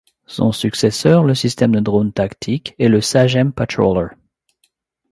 Son successeur, le système de drone tactique, est le Sagem Patroller.